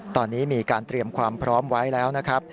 ตอนนี้มีการเตรียมความพร้อมไว้แล้วนะครับ